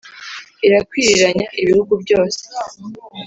Irakwiriranya ibihugu byose